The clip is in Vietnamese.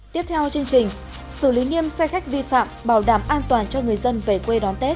tiếp theo chương trình xử lý nghiêm xe khách vi phạm bảo đảm an toàn cho người dân về quê đón tết